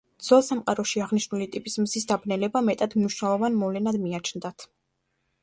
ძველ სამყაროში აღნიშნული ტიპის მზის დაბნელება მეტად მნიშვნელოვან მოვლენად მიაჩნდათ.